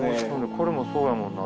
これもそうやもんな。